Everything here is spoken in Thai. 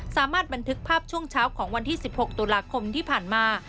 สามารถบันทึกภาพช่วงเช้าของวันที่๑๖ตุลาคมที่ผ่านมา